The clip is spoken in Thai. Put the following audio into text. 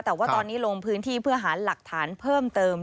แต่ว่าตอนนี้ลงพื้นที่เพื่อหาหลักฐานเพิ่มเติม